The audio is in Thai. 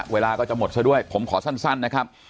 เวลาก็จะหมดซะด้วยผมขอสั้นนะครับ